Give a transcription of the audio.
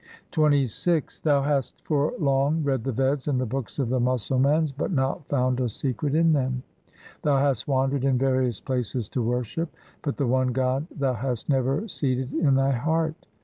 XXVI Thou hast for long read the Veds and the books of the Musalmans, but not found a secret in them. 3 Thou hast wandered in various places to worship, but the one God thou hast never seated in thy heart.